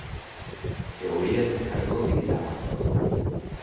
Teoría del Cargo y del Abono